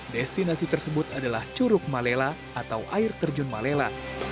destinasi tersebut adalah curug malela atau air terjun malela